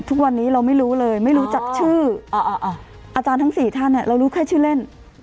ทุกวันนี้เราไม่รู้เลยไม่รู้จักชื่ออาจารย์ทั้ง๔ท่านเรารู้แค่ชื่อเล่น